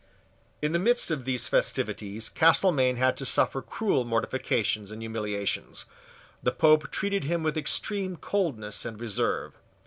In the midst of these festivities Castelmaine had to suffer cruel mortifications and humiliations. The Pope treated him with extreme coldness and reserve.